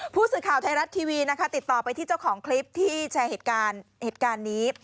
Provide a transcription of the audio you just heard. ผู้สื่อข่าวไทยรัฐทีวีนะคะติดต่อไปที่เจ้าของคลิปที่แชร์เหตุการณ์เหตุการณ์นี้